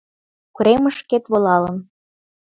Коремышкет волалын